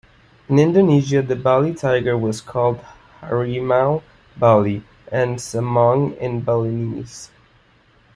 In Indonesia, the Bali tiger was called harimau bali, and samong in Balinese.